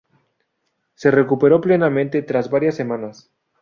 Se recuperó plenamente tras varias semanas.